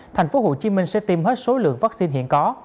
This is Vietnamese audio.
thành phố hồ chí minh sẽ tiêm hết số lượng vaccine hiện có